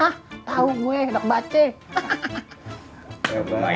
hah tau gue enak baca